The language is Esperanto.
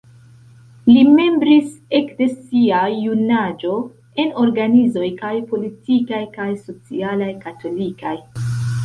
Li membris ekde sia junaĝo en organizoj kaj politikaj kaj socialaj katolikaj.